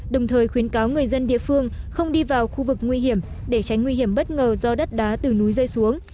đồng thời khuyến cáo người dân địa phương không đi vào khu vực nguy hiểm để tránh nguy hiểm bất ngờ do đất đá từ núi rơi xuống